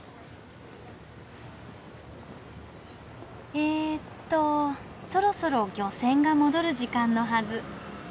えっとそろそろ漁船が戻る時間のはず。